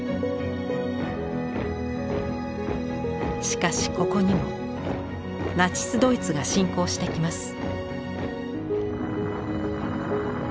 しかしここにもナチス・ドイツが侵攻してきます。